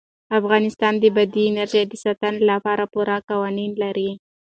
افغانستان د بادي انرژي د ساتنې لپاره پوره قوانین لري.